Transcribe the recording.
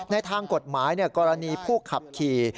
ในทางกฎหมายกรณีผู้ขับขี่